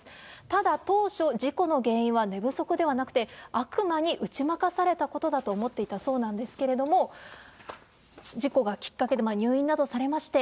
ただ当初、事故の原因は寝不足ではなくて、悪魔に打ち負かされたことだと思っていたそうなんですけれども、事故がきっかけで、入院などされまして、